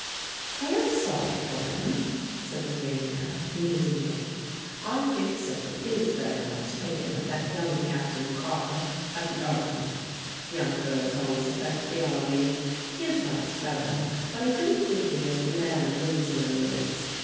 "I am sorry for him," said Lorania, musingly. "I think Sibyl is very much taken with that young Captain Carr at the Arsenal. Young girls always affect the army. He is a nice fellow, but I don't think he is the man Winslow is.